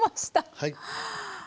はい。